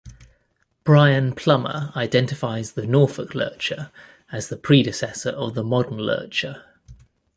Brian Plummer identifies the Norfolk lurcher as the predecessor of the modern lurcher.